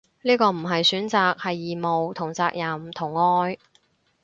呢個唔係選擇，係義務同責任同愛